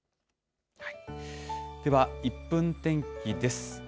では、１分天気です。